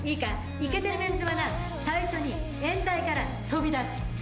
イケてるメンズはな最初に演台から飛び出す。